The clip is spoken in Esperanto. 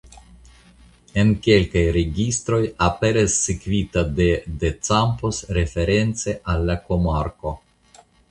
En kelkaj registroj aperas sekvita de "de Campos" reference al la komarko.